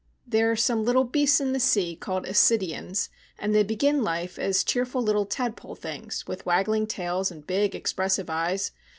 There are some little beasts in the sea called ascidians, and they begin life as cheerful little tadpole things, with waggling tails and big expressive eyes.